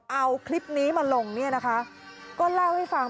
เอาคลิปนี้มาลงเนี่ยนะคะก็เล่าให้ฟัง